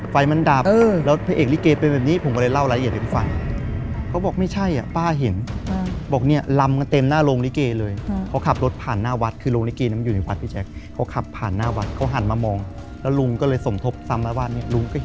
ไฟมันดาบแล้วพระเอกลิเกเป็นแบบนี้